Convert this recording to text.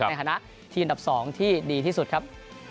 ในฐานะทีมอันดับ๒ที่ดีที่สุดครับ